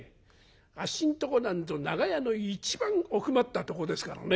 あっしのとこなんぞ長屋の一番奥まったとこですからね